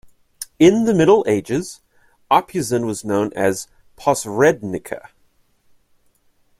In the Middle Ages, Opuzen was known as Posrednica.